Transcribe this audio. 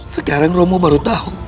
sekarang romo baru tahu